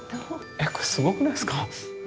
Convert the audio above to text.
えこれすごくないすか？